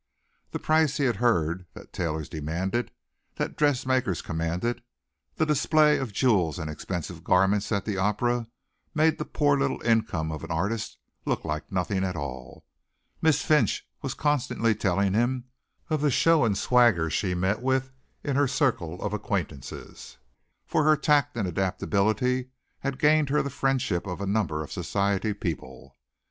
The prices he heard that tailors demanded that dressmakers commanded, the display of jewels and expensive garments at the opera, made the poor little income of an artist look like nothing at all. Miss Finch was constantly telling him of the show and swagger she met with in her circle of acquaintances, for her tact and adaptability had gained her the friendship of a number of society people.